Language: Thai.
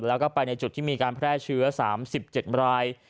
แล้วก็ไปในจุดที่มีการแพร่เชื้อ๓๗ราย